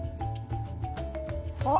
あ。